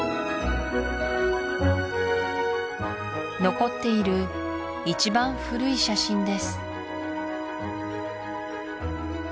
残っている一番古い写真です